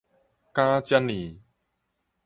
敢遮爾